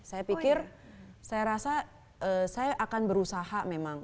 saya pikir saya rasa saya akan berusaha memang